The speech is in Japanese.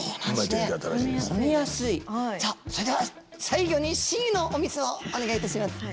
さあそれでは最後にＣのお水をお願いいたします。